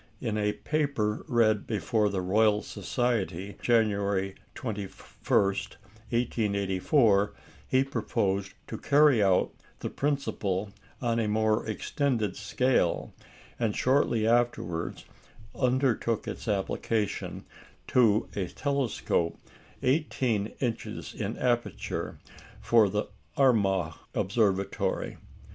In a paper read before the Royal Society, January 21, 1884, he proposed to carry out the principle on a more extended scale; and shortly afterwards undertook its application to a telescope 18 inches in aperture for the Armagh Observatory.